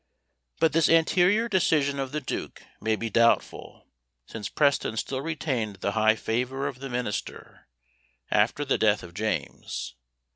But this anterior decision of the duke may be doubtful, since Preston still retained the high favour of the minister, after the death of James.